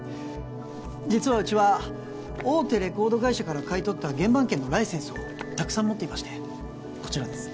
実はうちは大手レコード会社から買い取った原盤権のライセンスをたくさん持っていましてこちらです